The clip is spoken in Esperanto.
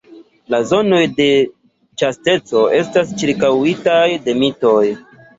La zonoj de ĉasteco estas ĉirkaŭitaj de mitoj.